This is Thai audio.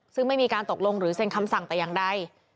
ซึ่งไม่มีการตกลงหรือเซ็นคำสั่งแต่อย่างใด